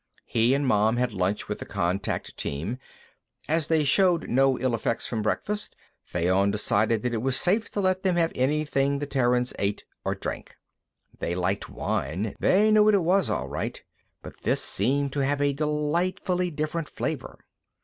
He and Mom had lunch with the contact team. As they showed no ill effects from breakfast, Fayon decided that it was safe to let them have anything the Terrans ate or drank. They liked wine; they knew what it was, all right, but this seemed to have a delightfully different flavor.